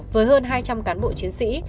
với hơn hai trăm linh cán bộ chiến sĩ